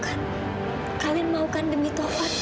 aku ingin tahu apa yang akan terjadi